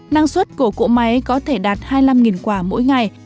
năng suất của cỗ máy có thể đạt hai mươi năm quả mỗi ngày